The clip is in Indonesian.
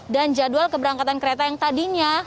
dan jadwal keberangkatan kereta yang tadinya